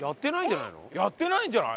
やってないんじゃない？